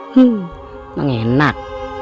hmm memang enak